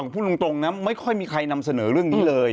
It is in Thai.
พูดตรงนะไม่ค่อยมีใครนำเสนอเรื่องนี้เลย